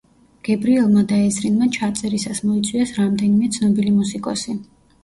გებრიელმა და ეზრინმა ჩაწერისას მოიწვიეს რამდენიმე ცნობილი მუსიკოსი.